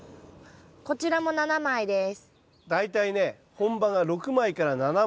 こちらも７枚です。